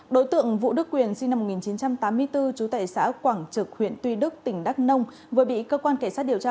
đối tượng vũ đức quyền sinh năm một nghìn chín trăm tám mươi bốn trú tại xã quảng trực huyện tuy đức tỉnh đắk nông vừa bị cơ quan cảnh sát điều tra